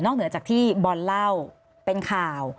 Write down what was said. เหนือจากที่บอลเล่าเป็นข่าว